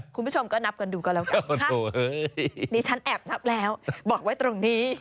คุณผู้ชมก็นับกันดูก็แล้วกันดิฉันแอบนับแล้วบอกไว้ตรงนี้